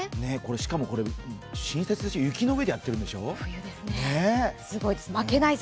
しかも雪の上でやってるんでしょ。